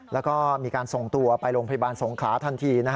แล้วก็มีการส่งตัวไปโรงพยาบาลสงขลาทันที